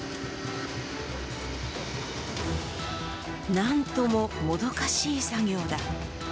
何とも、もどかしい作業だ。